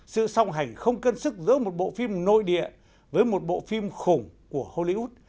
sự song hành không cân sức giữa một bộ phim nội địa với một bộ phim khủng của hollywood